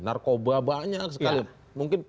narkoba banyak sekali mungkin